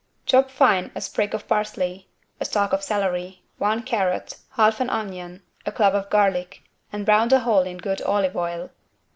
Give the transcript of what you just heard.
Chop fine a sprig of parsley, a stalk of celery, one carrot, half an onion a clove of garlic and brown the whole in good olive oil.